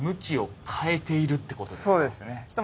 そうですね。おっ。